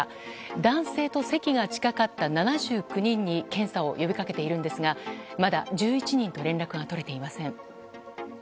男性と席が近かった７９人に検査を呼び掛けているんですがまだ１１人と連絡が取れていません。